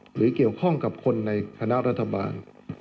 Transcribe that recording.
หรือเกี่ยวข้องกับคนในคณะรัฐบาล